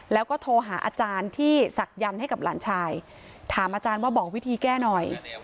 แล้วก็โทรหาอาจารย์ที่ศักยันต์ให้กับหลานชายถามอาจารย์ว่าบอกวิธีแก้หน่อย